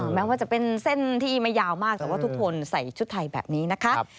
แม้ว่าจะเป็นเส้นที่ไม่ยาวมากแต่ว่าทุกคนใส่ชุดไทยแบบนี้นะคะ